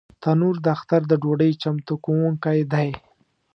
تنور د اختر د ډوډۍ چمتو کوونکی دی